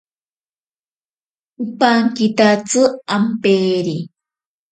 Ipankitatsi ampeere.